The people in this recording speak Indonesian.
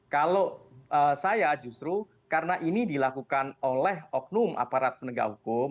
kalau saya justru karena ini dilakukan oleh oknum aparat penegak hukum